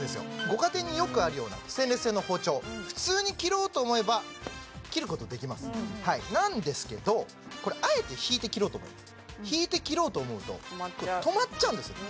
ご家庭によくあるようなステンレス製の包丁普通に切ろうと思えば切ることできますなんですけどこれあえて引いて切ろうと引いて切ろうと思うと止まっちゃうんですよ